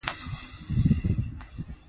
که سل کاله مخکې حالاتو ته نظر وکړو.